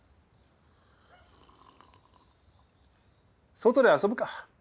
外で遊ぶか。